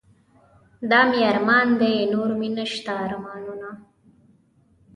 دا مې ارمان دے نور مې نشته ارمانونه